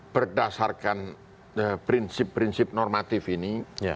berdasarkan prinsip prinsip normatif ini